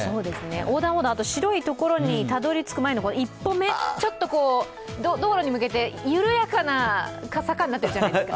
横断歩道、白いところにたどり着く前の一歩目、道路に向けて緩やかな坂になってるじゃないですか。